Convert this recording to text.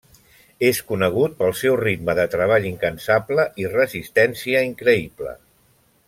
És conegut pel seu ritme de treball incansable i resistència increïble.